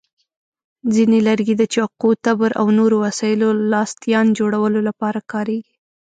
ځینې لرګي د چاقو، تبر، او نورو وسایلو لاستیان جوړولو لپاره کارېږي.